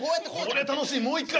こりゃ楽しいもう一回。